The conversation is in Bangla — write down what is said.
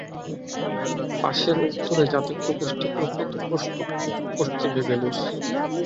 পাসের উত্তরে জাতিগত গোষ্ঠী প্রধানত পশতুন, পশ্চিমে বেলুচ।